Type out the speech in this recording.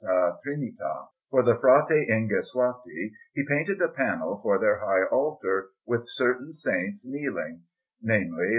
Trinita. For the Frati Ingesuati he painted a panel for their high altar, with certain Saints kneeling namely, S.